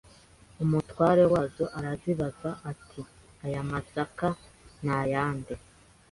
Umutware wazo arazibaza ati aya masakanayande